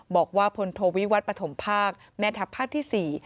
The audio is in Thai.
บอกว่าพลโทวิวัตรปฐมภาคแม่ทัพภาคที่๔